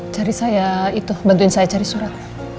cari saya itu bantuin saya cari surat